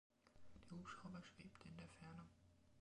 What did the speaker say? Der Hubschrauber schwebte in der Ferne.